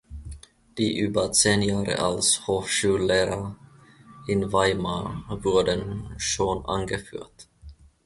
Die über zehn Jahre als Hochschullehrer in Weimar wurden schon angeführt.